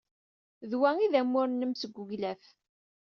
D wa ay d amur-nnem seg uglaf.